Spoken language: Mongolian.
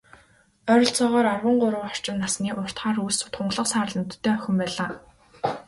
Ойролцоогоор арван гурав орчим насны, урт хар үс, тунгалаг саарал нүдтэй охин байлаа.